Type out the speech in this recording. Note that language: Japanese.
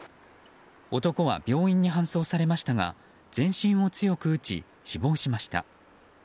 男は病院に搬送されましたが全身を強く打ち死亡しました。